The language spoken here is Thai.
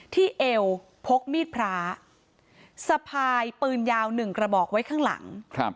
ที่เอวพกมีดพลาสะพายปืนยาวหนึ่งกระบอกไว้ข้างหลัง